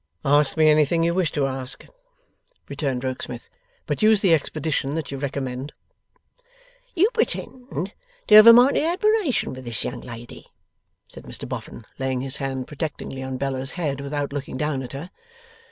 'Ask me anything you wish to ask,' returned Rokesmith, 'but use the expedition that you recommend.' 'You pretend to have a mighty admiration for this young lady?' said Mr Boffin, laying his hand protectingly on Bella's head without looking down at her.